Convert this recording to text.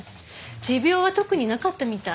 持病は特になかったみたい。